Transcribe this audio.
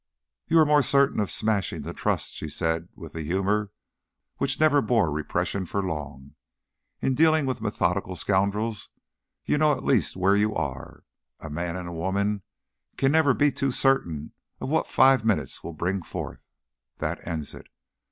"You are more certain of smashing the Trusts," she said with the humour which never bore repression for long. "In dealing with methodical scoundrels you know at least where you are. A man and woman never can be too certain of what five minutes will bring forth. That ends it.